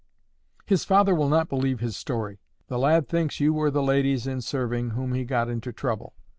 "His father will not believe his story. The lad thinks you were the ladies in serving whom he got into trouble.